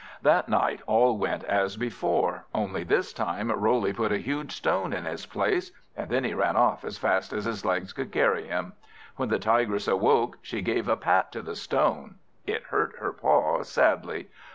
That night all went as before; only this time Roley put a huge stone in his place, and then he ran off as fast as his legs could carry him. When the Tigress awoke, she gave a pat to the stone: it hurt her paw sadly.